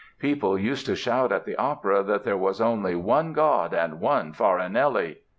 People used to shout at the Opera that there was only "One God and one Farinelli!"